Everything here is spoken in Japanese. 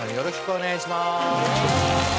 お願いします。